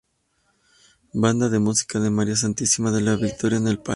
Banda de Música de María Santísima de la Victoria en el palio.